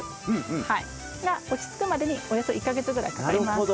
が落ち着くまでにおよそ１か月ぐらいかかります。